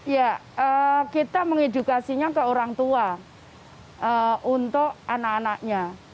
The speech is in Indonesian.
ya kita mengedukasinya ke orang tua untuk anak anaknya